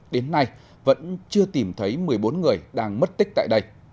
đến nay vẫn chưa tìm thấy một mươi bốn người đang mất tích tại đây